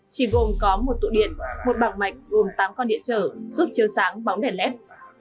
chỉ gồm có một tủ điện một bảng mạch gồm tám con điện trở giúp chiếu sáng bóng đèn led